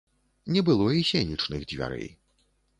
Не было і сенечных дзвярэй.